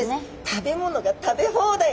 食べ物が食べ放題！